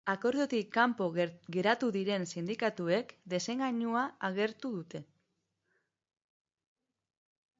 Akordiotik kanpo geratu diren sindikatuek desengainua agertu dute.